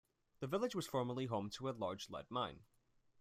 The village was formerly home to a large lead mine.